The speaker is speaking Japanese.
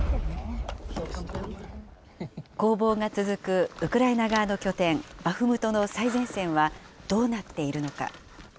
攻防が続くウクライナ側の拠点、バフムトの最前線はどうなっているのか。